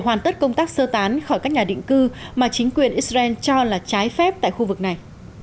nhiều người đã bắt công tác sơ tán khỏi các nhà định cư mà chính quyền israel cho là trái phép tại khu vực này